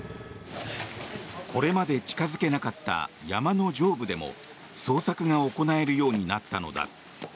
これまで近付けなかった山の上部でも捜索が行えるようになったのだ。